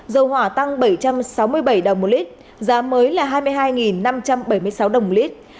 dầu hỏa tăng sáu trăm bảy mươi đồng một lít giá mới là hai mươi hai năm trăm bảy mươi sáu đồng một lít